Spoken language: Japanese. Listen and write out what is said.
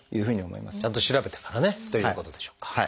ちゃんと調べてからねということでしょうか。